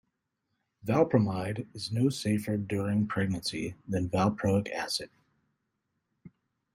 Valpromide is no safer during pregnancy than valproic acid.